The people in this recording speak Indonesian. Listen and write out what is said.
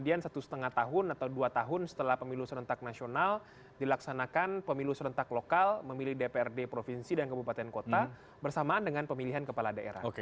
kemudian satu setengah tahun atau dua tahun setelah pemilu serentak nasional dilaksanakan pemilu serentak lokal memilih dprd provinsi dan kabupaten kota bersamaan dengan pemilihan kepala daerah